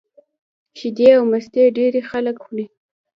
شیدې او مستې ډېری خلک خوري